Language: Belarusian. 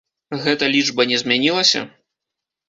Гэта лічба не змянілася?